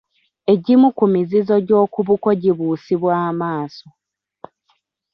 Egimu ku mizizo gy'okubuko gyibuusibwa amaaso.